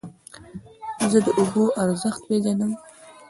زه د اوبو ارزښت پېژنم.